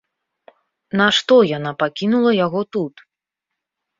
Нашто яна пакінула яго тут?